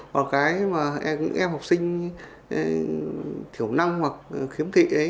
hoặc là cái mà em học sinh thiểu năng hoặc khiếm thị ấy